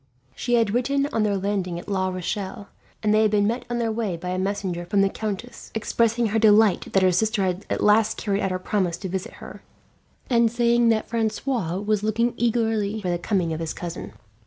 She had written on her landing at La Rochelle, and they had been met on their way by a messenger from the countess, expressing her delight that her sister had at last carried out her promise to visit her, and saying that Francois was looking eagerly for the coming of his cousin.